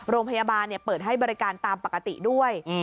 โรงพยาบาลเปิดให้บริการตามปกติด้วย